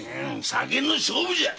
酒の勝負じゃ。